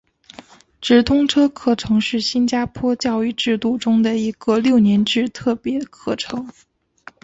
直通车课程是新加坡教育制度中的一个六年制特别课程。